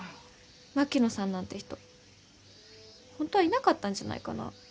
槙野さんなんて人本当はいなかったんじゃないかな？